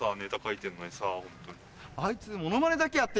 あいつ。